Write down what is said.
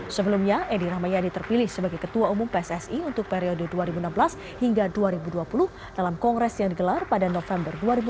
sebelumnya edi rahmayadi terpilih sebagai ketua umum pssi untuk periode dua ribu enam belas hingga dua ribu dua puluh dalam kongres yang digelar pada november dua ribu dua puluh